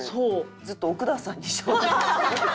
ずっと奥田さんに照明。